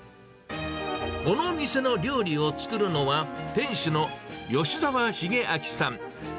この店の料理を作るのは、店主の吉澤重昭さん。